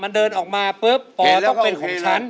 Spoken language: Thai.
มันเดินออกมาปุ๊บปอต้องเป็นของฉัน